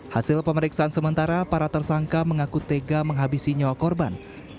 hasil pemeriksaan sementara para tersangka mengaku tega menghabisi nyawa korban